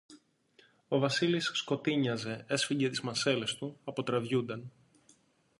ο Βασίλης σκοτείνιαζε, έσφιγγε τις μασέλες του, αποτραβιούνταν